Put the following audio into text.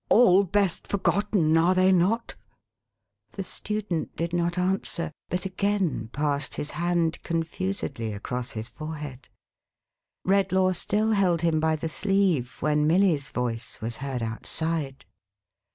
"All best forgotten, are they not ?" The student did not answer, but again passed his hand, confusedly, across his forehead. Redlaw still held him by the sleeve, when Milly's voice was heard outside.